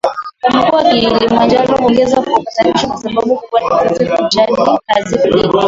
wa mkoa wa Kilimanjaro huongoza kwa utapiamlo Sababu kubwa ni wazazi kujali kazi kuliko